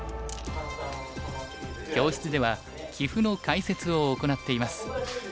教室では棋譜の解説を行っています。